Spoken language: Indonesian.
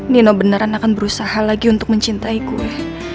nino beneran akan berusaha lagi untuk mencintai gue